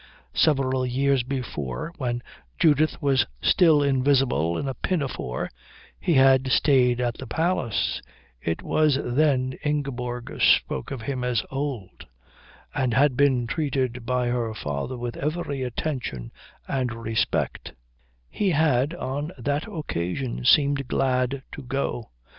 Several years before, when Judith was still invisible in a pinafore, he had stayed at the Palace it was then Ingeborg spoke of him as old and had been treated by her father with every attention and respect: He had on that occasion seemed glad to go.